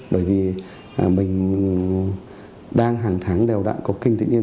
bởi vì mình đang hàng tháng đều đạn có kinh tự nhiên